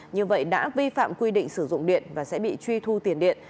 như vậy đã vi phạm quy định sử dụng điện và sẽ bị truy thu tiền điện